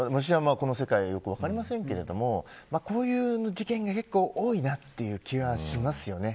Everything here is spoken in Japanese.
私は、この世界はよく分かりませんがこういう事件が結構多いなという気がしますよね。